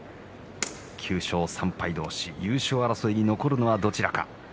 ９勝３敗同士、優勝争いに残るのはどちらか。